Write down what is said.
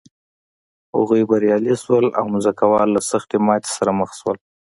هغوی بریالي شول او ځمکوال له سختې ماتې سره مخ شول.